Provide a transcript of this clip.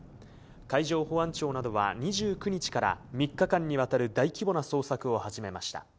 海上保安庁などは２９日から、３日間にわたる大規模な捜索を始めました。